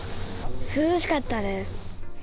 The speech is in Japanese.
涼しかったです。